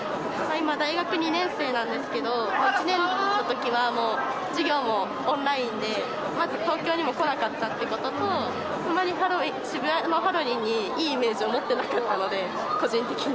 今、大学２年生なんですけど、１年のときはもう授業もオンラインで、まず東京にも来なかったってことと、あまり渋谷のハロウィーンにいいイメージを持ってなかったので、個人的に。